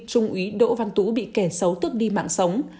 trung úy đỗ văn tú bị kẻ xấu tước đi mạng sống